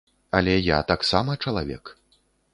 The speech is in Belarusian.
Але я таксама чалавек.